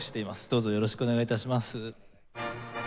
どうぞよろしくお願い致します。